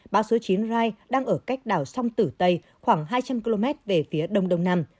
bão số chín rai đang ở cách đảo sông tử tây khoảng hai trăm linh km về phía đông đông nam